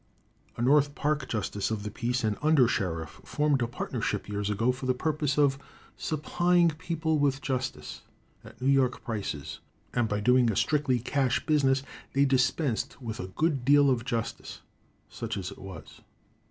A North Park justice of the peace and under sheriff formed a partnership years ago for the purpose of supplying people with justice at New York prices, and by doing a strictly cash business they dispensed with a good deal of justice, such as it was.